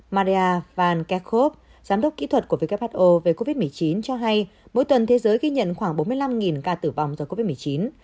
maria van kekov giám đốc kỹ thuật của who về covid một mươi chín cho hay mỗi tuần thế giới ghi nhận khoảng bốn mươi năm ca tử vong do covid một mươi chín